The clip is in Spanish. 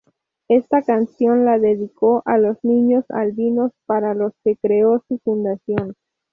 Esta canción la dedicó a los niños albinos para los que creó su fundación.